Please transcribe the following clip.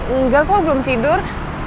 enggak kok belum tidur